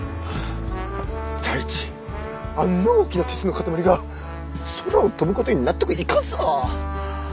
第一あんな大きな鉄の塊が空を飛ぶことに納得いかんさ。